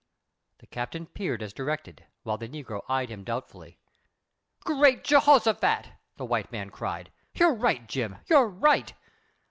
The Captain peered as directed, while the negro eyed him doubtfully. "Great Jehoshaphat!" the white man cried. "You're right, John, you're right.